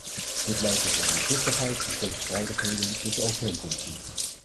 Dit leidt tot ondoorzichtigheid en tegenstrijdigheden tussen overeenkomsten.